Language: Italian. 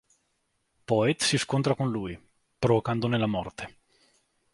Poet si scontra con lui, provocandone la morte.